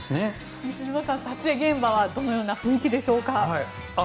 西島さん、撮影現場はどのような雰囲気でしょうか。